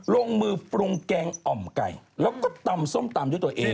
ลงมือปรุงแกงอ่อมไก่แล้วก็ตำส้มตำด้วยตัวเอง